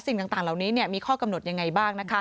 สิ่งต่างเหล่านี้มีข้อกำหนดยังไงบ้าง